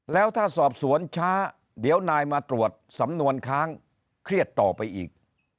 แล้วถ้าสอบสวนช้าเดี๋ยวนายมาตรวจสำนวนค้างเครียดต่อไปอีก